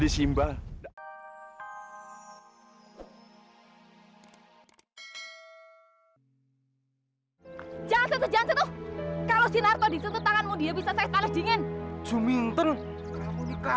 sampai jumpa di video selanjutnya